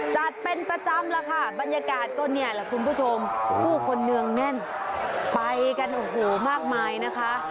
จัดเป็นประจำแล้วค่ะบรรยากาศก็เนี่ยแหละคุณผู้ชมผู้คนเนืองแน่นไปกันโอ้โหมากมายนะคะ